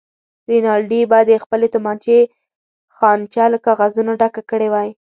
رینالډي به د خپلې تومانچې خانچه له کاغذونو ډکه کړې وه.